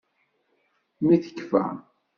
Mi tekkfa.